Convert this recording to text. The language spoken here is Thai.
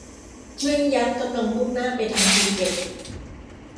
คลื่นยักษ์กำลังมุ่งหน้าไปทางภูเก็ต